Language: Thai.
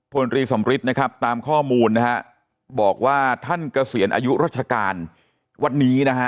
ตรีสำริทนะครับตามข้อมูลนะฮะบอกว่าท่านเกษียณอายุราชการวันนี้นะฮะ